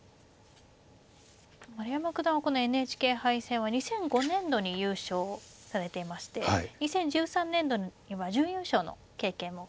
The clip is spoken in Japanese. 丸山九段はこのＮＨＫ杯戦は２００５年度に優勝されていまして２０１３年度には準優勝の経験もございますね。